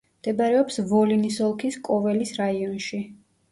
მდებარეობს ვოლინის ოლქის კოველის რაიონში.